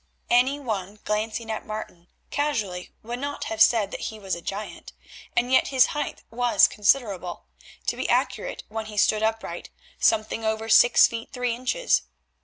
Any one glancing at Martin casually would not have said that he was a giant, and yet his height was considerable; to be accurate, when he stood upright, something over six feet three inches.